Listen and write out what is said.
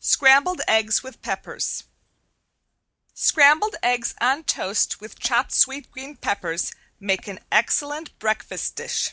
~SCRAMBLED EGGS WITH PEPPERS~ Scrambled eggs on toast with chopped sweet green peppers make an excellent breakfast dish.